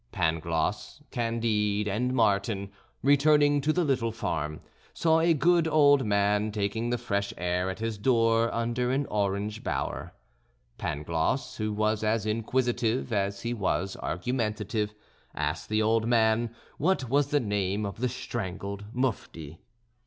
Pangloss, Candide, and Martin, returning to the little farm, saw a good old man taking the fresh air at his door under an orange bower. Pangloss, who was as inquisitive as he was argumentative, asked the old man what was the name of the strangled Mufti.